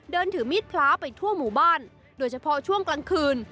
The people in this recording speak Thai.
เดินถือมีดพระไปทั่วหมู่บ้านโดยเฉพาะช่วงกลางคืน